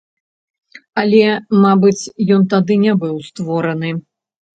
Але, мабыць, ён тады не быў створаны.